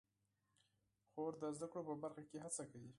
خور د زده کړو په برخه کې هڅه کوي.